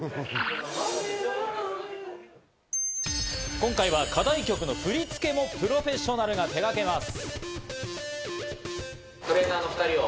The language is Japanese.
今回は課題曲の振り付けもプロフェッショナルが手がけます。